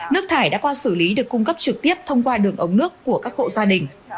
nước thải đã qua xử lý được cung cấp trực tiếp thông qua đường ống nước của các hộ gia đình